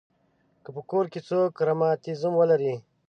که په کور کې څوک رماتیزم ولري.